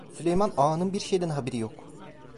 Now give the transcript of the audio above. Süleyman Ağa'nın bir şeyden haberi yok…